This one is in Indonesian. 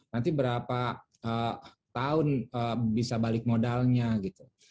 nanti berapa tahun bisa balik modalnya gitu